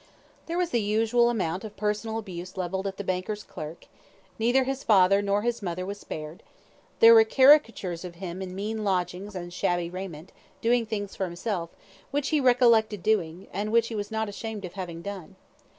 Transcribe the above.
There was the usual amount of personal abuse levelled at the banker's clerk neither his father nor his mother was spared there were caricatures of him in mean lodgings and shabby raiment, doing things for himself, which he recollected doing, and which he was not ashamed of having done.